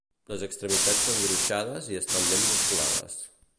Les extremitats són gruixades i estan ben musculades.